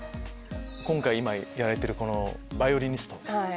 今回やられてる天才ヴァイオリニスト。